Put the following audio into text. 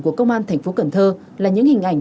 của công an thành phố cần thơ là những hình ảnh